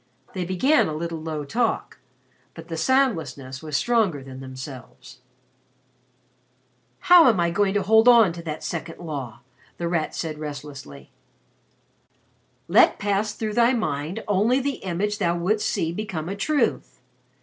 They began a little low talk, but the soundlessness was stronger than themselves. "How am I going to hold on to that second law?" The Rat said restlessly. "'Let pass through thy mind only the image thou wouldst see become a truth.'